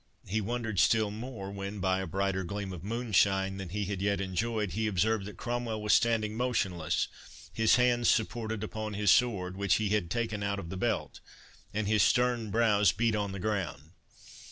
He wondered still more, when, by a brighter gleam of moonshine than he had yet enjoyed, he observed that Cromwell was standing motionless, his hands supported upon his sword, which he had taken out of the belt, and his stern brows bent on the ground.